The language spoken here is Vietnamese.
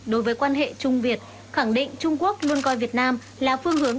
đối với quan hệ trung việt khẳng định trung quốc luôn coi việt nam là phương hướng